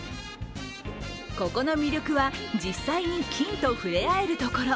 ここの魅力は実際に金と触れ合えるところ。